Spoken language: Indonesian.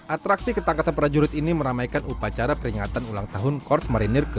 atraksi ketangkasan para jurid ini meramaikan upacara peringatan ulang tahun kors marinir ke tujuh puluh tujuh